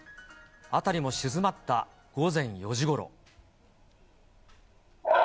辺りも静まった午前４時ごろ。